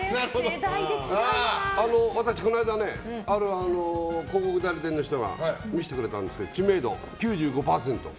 私、この間ある広告代理店の人が見せてくれたんですけど知名度９５％。